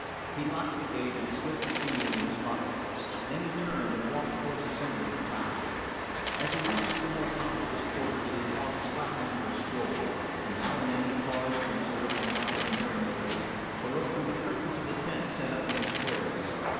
He locked the gate and slipped the key into his pocket; then he turned and walked toward the centre of the town. As he reached the more populous quarters his walk slackened to a stroll; and now and then he paused to observe a knot of merry makers or look through the curtains of the tents set up in the squares.